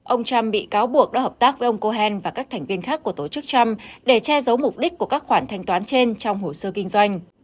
ông trump bị cáo buộc đã hợp tác với ông cohen và các thành viên khác của tổ chức trump để che giấu mục đích của các khoản thanh toán trên trong hồ sơ kinh doanh